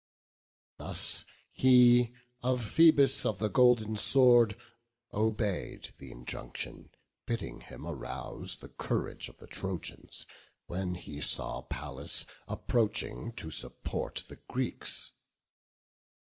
Thus he of Phoebus of the golden sword Obey'd th' injunction, bidding him arouse The courage of the Trojans, when he saw Pallas approaching to support the Greeks.